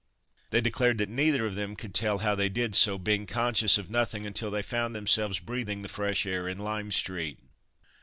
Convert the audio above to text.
They declared that neither of them could tell how they did so, being conscious of nothing until they found themselves breathing the fresh air in Lime street.